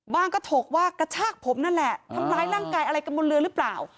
ก็ถกว่ากระชากผมนั่นแหละทำร้ายร่างกายอะไรกันบนเรือหรือเปล่า